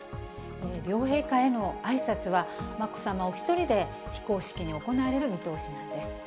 両陛下へのあいさつは、まこさまお１人で非公式に行われる見通しなんです。